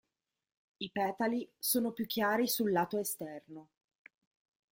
I petali sono più chiari sul lato esterno.